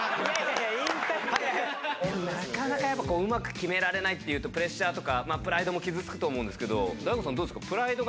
なかなかやっぱうまく決められないっていうとプレッシャーとかプライドも傷つくと思うんですけど。